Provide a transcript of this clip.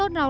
ở đan mạc